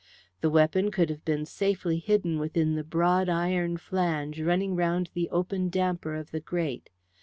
The weapon could have been safely hidden within the broad iron flange running round the open damper of the grate.